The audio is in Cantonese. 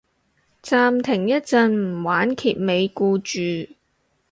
暫停一陣唔玩揭尾故住